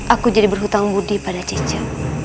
aku jadi berhutang budi pada cica